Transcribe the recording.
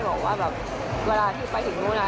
บอกว่าแบบเวลาที่ไปถึงนู้น